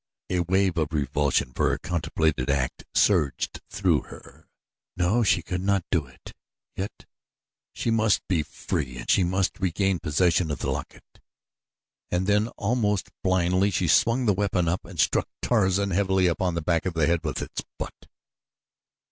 A wave of revulsion for her contemplated act surged through her. No, she could not do it yet, she must be free and she must regain possession of the locket. And then, almost blindly, she swung the weapon up and struck Tarzan heavily upon the back of the head with its butt.